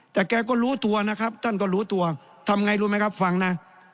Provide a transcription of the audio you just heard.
แต่แกก็รู้ตัวนะครับท่านก็รู้ตัวทำไงรู้ไหมครับฟังนะ